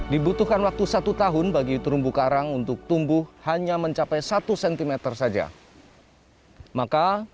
dibutuhkan waktu satu tahun bagi terumbu karang untuk tumbuh hanya mencapai satu cm saja maka